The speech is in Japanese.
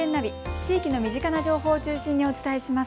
地域の身近な情報を中心にお伝えします。